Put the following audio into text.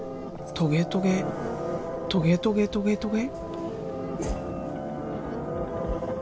トゲトゲトゲトゲトゲトゲ。